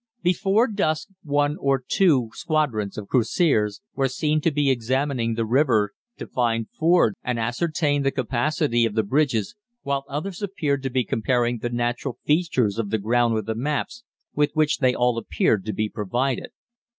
"Before dusk one or two squadrons of Cuirassiers were seen to be examining the river to find fords and ascertain the capacity of the bridges, while others appeared to be comparing the natural features of the ground with the maps with which they all appeared to be provided.